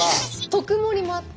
特盛りもあって。